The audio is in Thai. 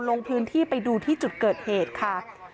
ลงพื้นที่ไปดูที่จุดเกิดเหตุค่ะ